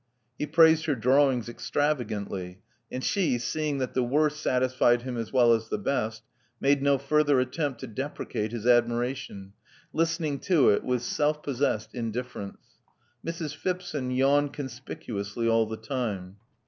He praised her drawings extravagantly; and she, seeing that the worst satisfied him as well as the best, made no further attempt to deprecate his admiration, listening to it with self possessed indiffer ence. Mrs. Phipson yawned conspicuously all the time.